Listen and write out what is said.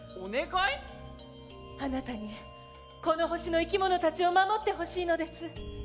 あなたにこの星のいきものたちを守ってほしいのです。